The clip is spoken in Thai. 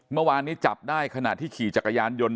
เมื่อวานนี้จับได้ขณะที่ขี่จักรยานยนต์